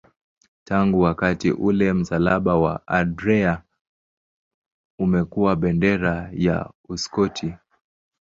Tangu wakati ule msalaba wa Andrea umekuwa bendera ya Uskoti.